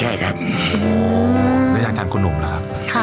ใช่ครับโอ้โหแล้วจากท่านคุณหนุ่มล่ะครับค่ะ